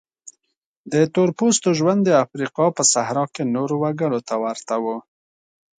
د تور پوستو ژوند د افریقا په صحرا کې نورو وګړو ته ورته و.